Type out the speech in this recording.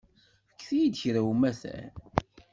Fket-iyi-d kra umatar.